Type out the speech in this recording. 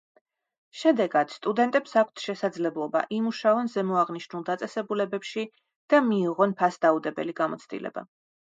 შედეგად, სტუდენტებს აქვთ შესაძლებლობა იმუშაონ ზემოაღნიშნულ დაწესებულებებში და მიიღონ ფასდაუდებელი გამოცდილება.